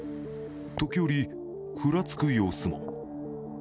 時折ふらつく様子も。